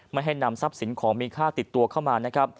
ไม่ให้นำทรัพย์สินของมีค่าติดตัวเข้ามานะครับ